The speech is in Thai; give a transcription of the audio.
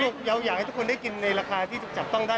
ใช่เพราะเราอยากให้ทุกคนได้กินในราคาที่จับต้องได้